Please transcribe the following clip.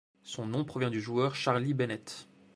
Son nom provient du joueur Charlie Bennett.